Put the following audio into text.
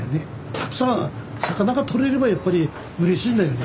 たくさん魚が取れればやっぱりうれしいんだよね。